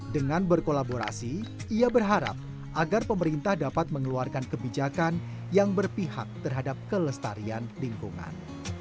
dengan berkolaborasi ia berharap agar pemerintah dapat mengeluarkan kebijakan yang berpihak terhadap kelestarian lingkungan